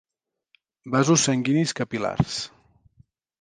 Vasos sanguinis capil·lars.